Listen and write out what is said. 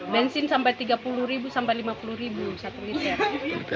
bensin sampai tiga puluh sampai lima puluh satu liter